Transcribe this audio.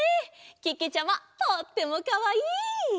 けけちゃまとってもかわいい！